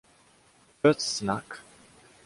First snack.